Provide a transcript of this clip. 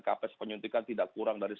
kapes penyuntikan tidak kurang dari